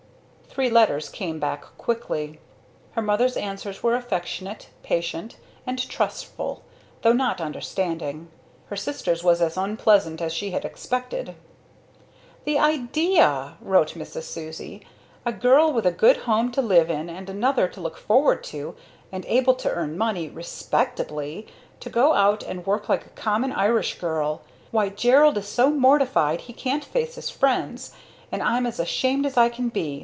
Three letters came back quickly. Her mother's answer was affectionate, patient, and trustful, though not understanding. Her sister's was as unpleasant as she had expected. "The idea!" wrote Mrs. Susie. "A girl with a good home to live in and another to look forward to and able to earn money respectably! to go out and work like a common Irish girl! Why Gerald is so mortified he can't face his friends and I'm as ashamed as I can be!